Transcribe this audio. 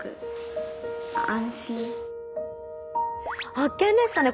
発見でしたね。